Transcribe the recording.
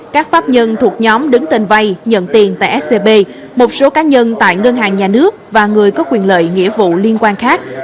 các pháp nhân thuộc nhóm đứng tên vay nhận tiền tại scb một số cá nhân tại ngân hàng nhà nước và người có quyền lợi nghĩa vụ liên quan khác